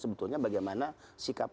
sebetulnya bagaimana sikap